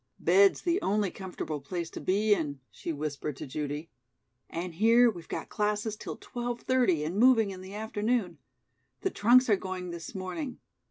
"Bed's the only comfortable place to be in," she whispered to Judy, "and here we've got classes till twelve thirty and moving in the afternoon! The trunks are going this morning.